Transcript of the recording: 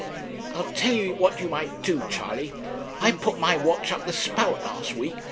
'I'll tell you what you might do, Charley. I put my watch up the spout last week.